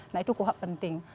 nah itu kuhap penting